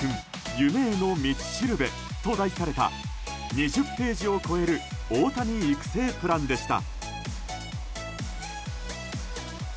夢への道しるべ」と題された２０ページを超える大谷育成プランでした。